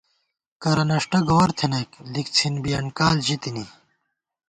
کرہ نݭٹہ گوَر تھنَئیک، لِکڅھِن بِیَن کال ژِتِنی